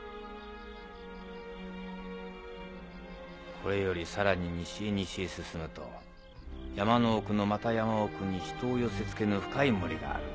これよりさらに西へ西へ進むと山の奥のまた山奥に人を寄せつけぬ深い森がある。